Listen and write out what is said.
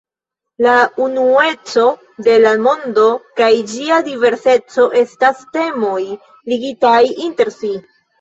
La unueco de la mondo kaj ĝia diverseco estas temoj ligitaj inter si.